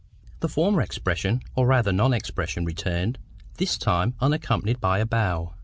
The former expression, or rather non expression, returned; this time unaccompanied by a bow.